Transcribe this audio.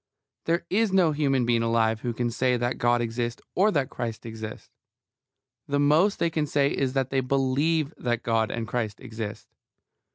There is no human being alive who can say that God exists or that Christ exists. The most they can say is that they believe that God and Christ exist.